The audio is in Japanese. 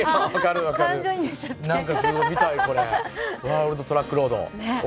「ワールド・トラックロード」見たいです。